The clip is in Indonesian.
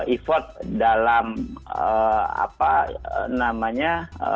effort dalam apa namanya